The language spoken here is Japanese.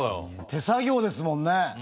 手作業ですもんね。